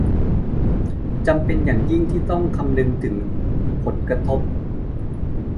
จำเป็นอย่างยิ่งที่จะต้องคำนึงถึงผลกระทบ